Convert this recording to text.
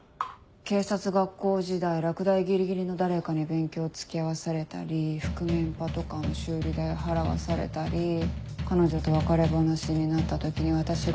警察学校時代落第ギリギリの誰かに勉強を付き合わされたり覆面パトカーの修理代を払わされたり彼女と別れ話になった時に私が。